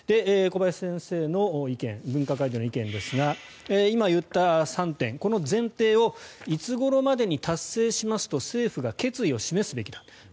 小林先生の意見分科会での意見ですが今言った３点、この前提をいつごろまでに達成しますと政府が決意を示すべきだと。